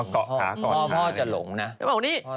มาเกาะขาก่อนพ่อจะหลงนะพ่อหลงอย่างนี้